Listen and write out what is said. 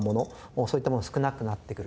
そういったもの少なくなってくる。